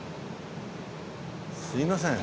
すいません